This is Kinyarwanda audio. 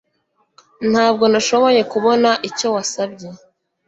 Ntabwo nashoboye kubona icyo wasabye